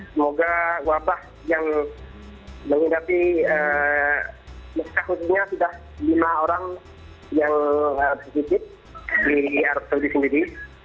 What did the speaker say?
semoga wabah yang menghidapi mecca khususnya sudah lima orang yang di arab saudi sendiri